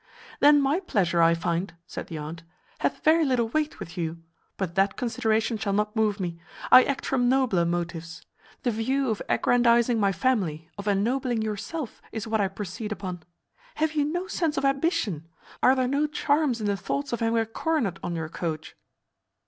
"Then my pleasure, I find," said the aunt, "hath very little weight with you; but that consideration shall not move me. I act from nobler motives. The view of aggrandizing my family, of ennobling yourself, is what I proceed upon. Have you no sense of ambition? Are there no charms in the thoughts of having a coronet on your coach?"